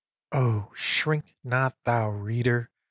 _] [Oh! shrink not thou, reader!